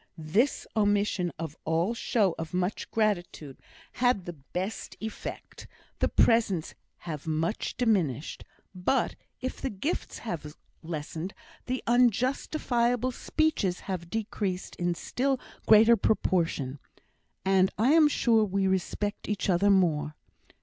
This omission of all show of much gratitude had the best effect the presents have much diminished; but if the gifts have lessened, the unjustifiable speeches have decreased in still greater proportion, and I am sure we respect each other more.